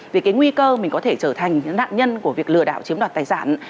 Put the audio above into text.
về cái nguy cơ mình có thể trở thành nạn nhân của việc lừa đảo chiếm đoạt tài sản